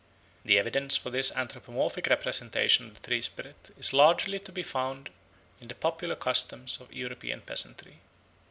The evidence for this anthropomorphic representation of the tree spirit is largely to be found in the popular customs of European peasantry.